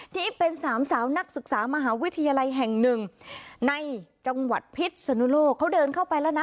ที่เป็นสามสาวนักศึกษามหาวิทยาลัยแห่งหนึ่งในจังหวัดพิษสนุโลกเขาเดินเข้าไปแล้วนะ